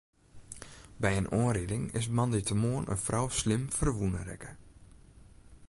By in oanriding is moandeitemoarn in frou slim ferwûne rekke.